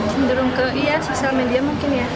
cenderung ke iya sosial media mungkin ya